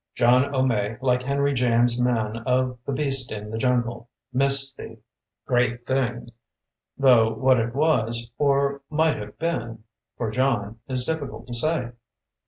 John O'May, like Henry James's man of "The Beast in the Jungle", missed the great thing — though what it was, or might have been, for John is difScult to say.